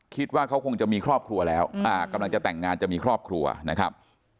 คิดว่าเขาคงจะมีครอบครัวแล้วกำลังจะแต่งงานจะมีครอบครัวนะครับ